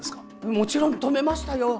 もちろん止めましたよ。